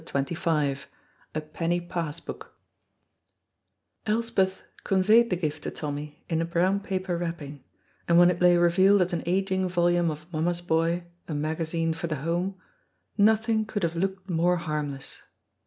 CHAPTER XXV A PENNY PASS BOOK Elspeth conveyed the gift to Tommy in a brown paper wrapping, and when it lay revealed as an aging volume of Mamma's Boy, a magazine for the Home, nothing could have looked more harmless.